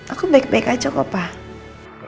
aku baik baik aja kok pak